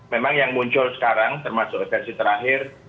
memang yang muncul sekarang termasuk versi terakhir